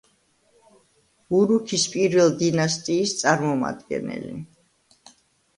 ურუქის პირველ დინასტიის წარმომადგენელი.